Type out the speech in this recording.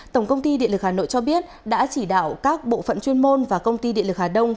tổng công ty điện lực hà nội cho biết đã chỉ đạo các bộ phận chuyên môn và công ty điện lực hà đông